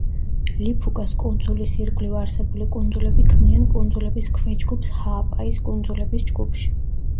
ლიფუკას კუნძულის ირგვლივ არსებული კუნძულები ქმნიან კუნძულების ქვეჯგუფს ჰააპაის კუნძულების ჯგუფში.